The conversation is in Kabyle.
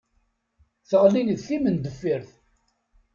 Teɣli d timendeffirt.